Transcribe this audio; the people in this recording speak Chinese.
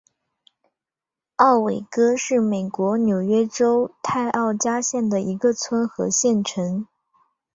奥韦戈是美国纽约州泰奥加县的一个村和县城。